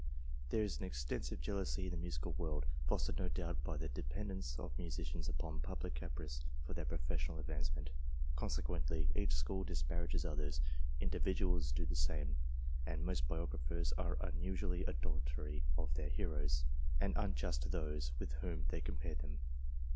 There is excessive jealousy in the musical world, fostered no doubt by the dependence of musicians upon public caprice for their professional advancement. Consequently, each school disparages others; individuals do the same, and most biographers are un usually adulatory of their heroes, and unjust to those with whom they compare them.